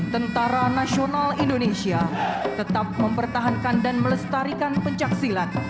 tni tetap mempertahankan dan melestarikan pencaksilat